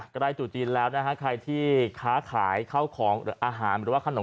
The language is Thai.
ใกล้สู่จีนแล้วนะคะเคยที่ค้าขายเข้าของหรืออาหารหรือว่าขนม